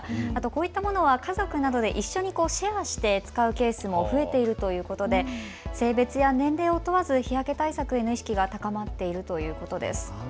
こういったものは家族などで一緒にシェアして使うケースも増えているということで性別や年齢を問わず日焼け対策への意識が高まっているということです。